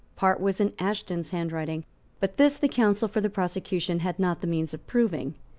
Part was in Ashton's handwriting but this the counsel for the prosecution had not the means of proving.